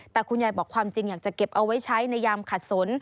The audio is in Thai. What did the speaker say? แต่คุณยายบอกความจริงอยากจะเก็บเอาไว้ใช้ในยามขัดสน